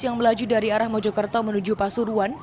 yang melaju dari arah mojokerto menuju pasuruan